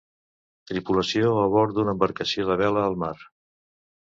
Tripulació a bord d'una embarcació de vela al mar.